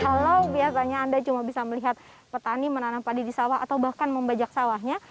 kalau biasanya anda cuma bisa melihat petani menanam padi di sawah atau bahkan membajak sawahnya